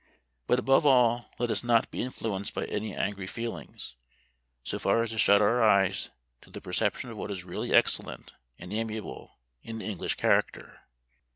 But above all let us not be influenced by any angry feelings, so far as to shut our eyes to the perception of what is really excellent and amiable in the English character.